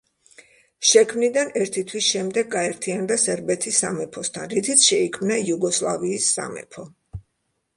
შექმნიდან ერთი თვის შემდეგ გაერთიანდა სერბეთის სამეფოსთან რითიც შეიქმნა იუგოსლავიის სამეფო.